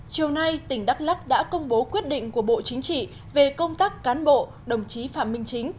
chiều nay tỉnh đắk lắc đã công bố quyết định của bộ chính trị về công tác cán bộ đồng chí phạm minh chính